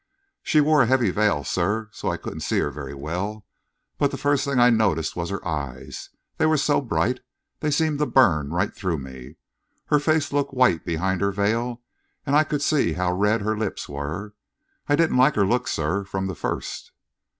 "She wore a heavy veil, sir, so that I couldn't see her very well; but the first thing I noticed was her eyes they were so bright, they seemed to burn right through me. Her face looked white behind her veil, and I could see how red her lips were I didn't like her looks, sir, from the first."